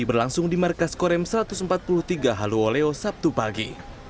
berlangsung di markas korem satu ratus empat puluh tiga haluoleo sabtu pagi